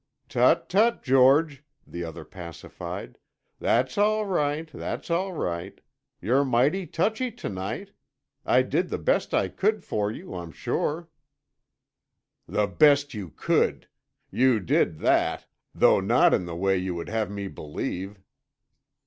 "Tut, tut, George," the other pacified, "that's all right; that's all right. You're mighty touchy to night. I did the best I could for you, I'm sure." "The best you could! You did that—though not in the way you would have me believe."